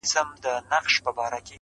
ما یې دنګه ونه په خوبونو کي لیدلې وه-